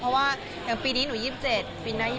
เพราะว่าอย่างปีนี้หนู๒๗ปีหน้า๒